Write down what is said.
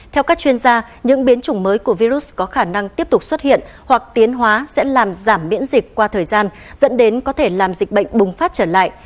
theo các chuyên gia những biến chủng mới của virus có khả năng tiếp tục xuất hiện hoặc tiến hóa sẽ làm giảm miễn dịch qua thời gian dẫn đến có thể làm dịch bệnh bùng phát trở lại